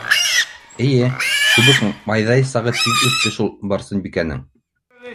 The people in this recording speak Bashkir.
Эйе, күбек майҙай сағы тиҙ үтте шул Барсынбикәнең!..